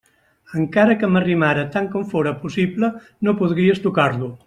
Encara que m'arrimara tant com fóra possible, no podries tocar-lo.